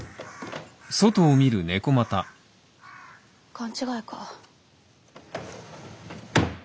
勘違いか。